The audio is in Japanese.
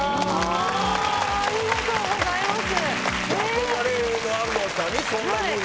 ありがとうございます。